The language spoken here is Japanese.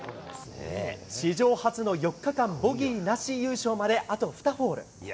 史上初の４日間ボギーなし優勝まで、あと２ホール。